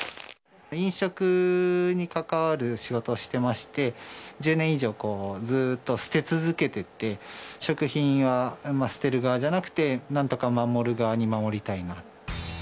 飲食に関わる仕事をしてまして、１０年以上ずっと捨て続けてて、食品を捨てる側じゃなくて、なんとか守る側に回りたいなと。